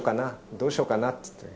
どうしようかな？っていって。